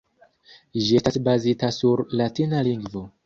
Ĝi estas bazita sur latina lingvo.